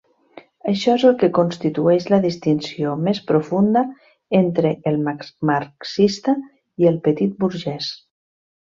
Això és el que constitueix la distinció més profunda entre el marxista i el petitburgès.